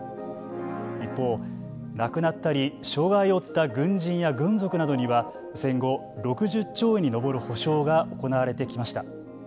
一方亡くなったり、障害を負った軍人や軍属などには戦後、６０兆円に上る補償が行われてきました。